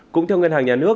cũng theo ngân hàng nhà nước